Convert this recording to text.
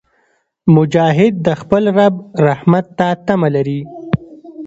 مجاهد د خپل رب رحمت ته تمه لري.